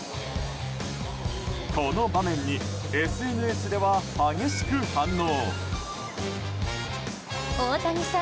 この場面にＳＮＳでは激しく反応。